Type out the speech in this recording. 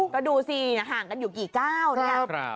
ก็ดูสิห่างกันอยู่กี่ก้าวครับครับ